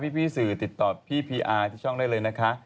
พี่สื่อติดต่อพี่พีอาร์ที่ช่องได้เลยนะคะ